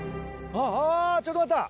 あぁちょっと待った！